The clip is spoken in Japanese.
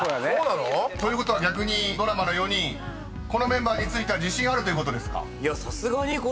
［ということは逆にドラマの４人このメンバーについては自信あるということですか？］